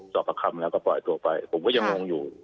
ประคำแล้วก็ปล่อยตัวไปผมก็ยังงงอยู่